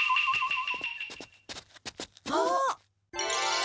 あっ！